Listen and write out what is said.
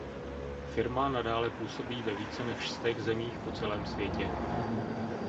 Firma nadále působí ve více než stech zemích po celém světě.